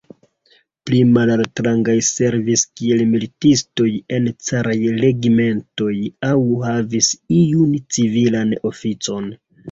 Pli malaltrangaj servis kiel militistoj en caraj regimentoj aŭ havis iun civilan oficon.